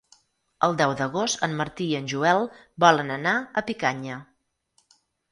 El deu d'agost en Martí i en Joel volen anar a Picanya.